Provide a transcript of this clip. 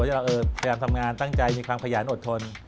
เราพยายามทำงานตั้งใจมีความขยันอดทน